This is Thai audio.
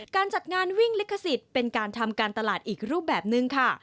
การจัดงานวิ่งลิขสิทธิ์เป็นการทำการตลาดอีกรูปแบบนึงค่ะ